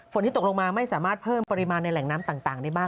ที่ตกลงมาไม่สามารถเพิ่มปริมาณในแหล่งน้ำต่างได้บ้าง